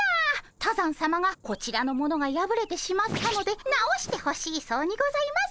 多山さまがこちらのものがやぶれてしまったので直してほしいそうにございます。